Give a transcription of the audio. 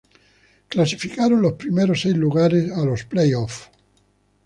Clasificaron los primeros seis lugares a los playoffs.